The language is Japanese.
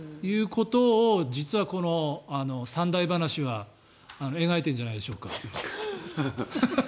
だから僕がまだですということを実はこの３大話は描いてるんじゃないでしょうか。